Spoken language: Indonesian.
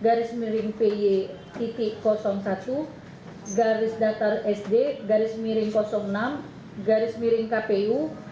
garis miring py satu garis datar sd garis miring enam garis miring kpu